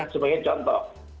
dan sebagai contoh